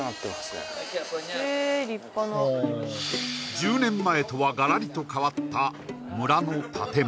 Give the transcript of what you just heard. １０年前とはガラリと変わった村の建物